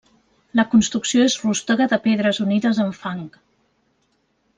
La construcció és rústega de pedres unides amb fang.